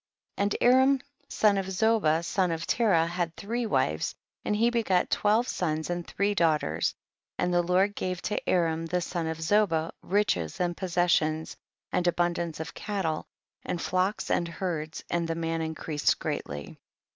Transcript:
36. And Aram son of Zoba son of Terah, had three wives and he begat twelve sons and three daugh ters ; and the Lord gave to Aram the son of Zoba, riches and posses sions, and abundance of cattle, and flocks and herds, and the m.an in creased greatly.